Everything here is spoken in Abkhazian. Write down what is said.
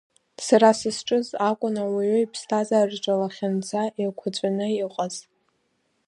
Сара сызҿыз акәын ауаҩы иԥсҭазаараҿы лахьынҵа еиқәаҵәаны иҟаз.